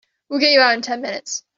We'll get you out in ten minutes.